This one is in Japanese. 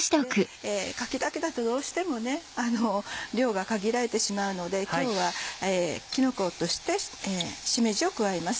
かきだけだとどうしても量が限られてしまうので今日はきのことしてしめじを加えます。